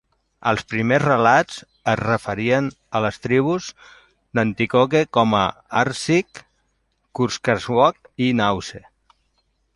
Els primers relats es referien a les tribus Nanticoke com Arseek, Cuscarawoc i Nause.